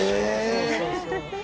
そうそうそう。